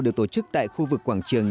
được tổ chức tại khu vực quảng trường